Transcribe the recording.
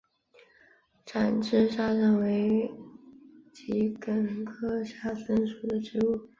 展枝沙参为桔梗科沙参属的植物。